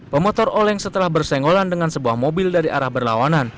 pemotor oleng setelah bersenggolan dengan sebuah mobil dari arah berlawanan